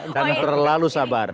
dan terlalu sabar